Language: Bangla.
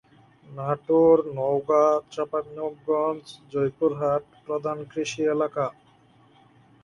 নাটোর, নওগাঁ, চাঁপাইনবাবগঞ্জ, জয়পুরহাট প্রধান কৃষি এলাকা।